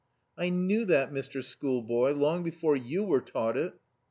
"I knew that, Mr. Schoolboy, long before you were taught it."